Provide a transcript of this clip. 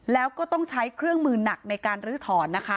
แล้วก็ต้องใช้เครื่องมือหนักในการลื้อถอนนะคะ